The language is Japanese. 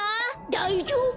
だいじょうぶ。